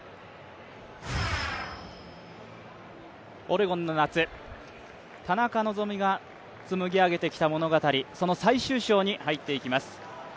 オレゴンの夏、田中希実がつむぎあげてきた物語、その最終章に入っていきます。